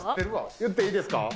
言っていいですか。